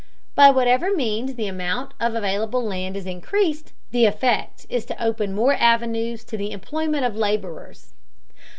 By whatever means the amount of available land is increased, the effect is to open more avenues to the employment of laborers.